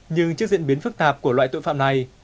nhưng trước diễn biến phức tạp của loại tội phạm này